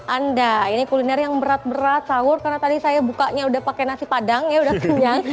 anda ini kuliner yang berat berat sahur karena tadi saya bukanya udah pakai nasi padang ya udah kenyang